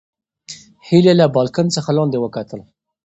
هیلې له بالکن څخه لاندې وکتل.